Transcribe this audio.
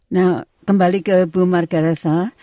nah kembali ke bu margarasa